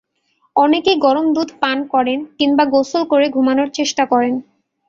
অনেকেই গরম দুধ পান করেন কিংবা গোসল করে ঘুমানোর চেষ্টা করেন।